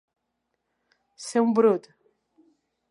Ser un brut.